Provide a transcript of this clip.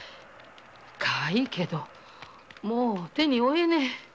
かわいいけどもう手に負えねえ。